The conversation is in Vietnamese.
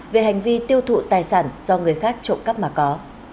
về hành vi tiêu thụ tài sản do người khác trộm cắp mà có